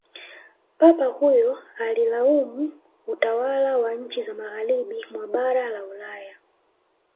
papa huyo alilaumu utwala wa nchi za magharibi mwa bara la ulaya